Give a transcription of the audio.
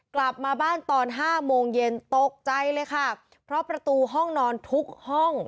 กลับมาบ้านตอนห้าโมงเย็นตกใจเลยค่ะเพราะประตูห้องนอนทุกห้อง